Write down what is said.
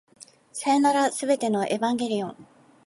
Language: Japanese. さようなら、全てのエヴァンゲリオン